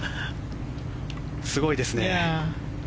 すごいですね。